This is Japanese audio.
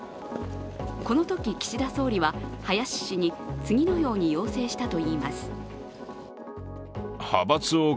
このとき、岸田総理は林氏に次のように要請したといいます。